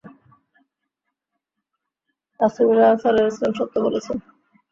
রাসূলুল্লাহ সাল্লাল্লাহু আলাইহি ওয়াসাল্লাম সত্য বলেছেন।